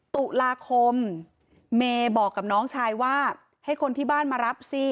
ตุลาคมเมย์บอกกับน้องชายว่าให้คนที่บ้านมารับสิ